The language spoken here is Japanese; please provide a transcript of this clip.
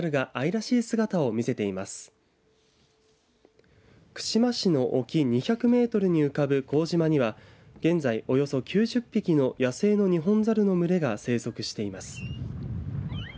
串間市の沖２００メートルに浮かぶ幸島には現在、およそ９０匹の野生のニホンザルの群れが生息しています。